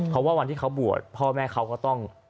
เพราะว่าวันที่เขาบวชพ่อแม่เขาก็ต้อง